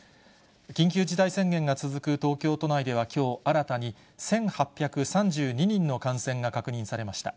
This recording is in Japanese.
緊急事態宣言が続く東京都内ではきょう新たに、１８３２人の感染が確認されました。